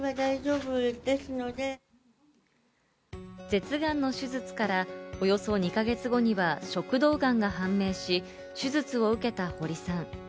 舌がんの手術からおよそ２か月後には食道がんが判明し、手術を受けた堀さん。